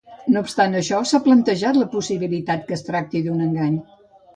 No obstant això, s'ha plantejat la possibilitat que es tracti d'un engany.